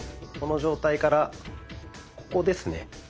この状態からここですね。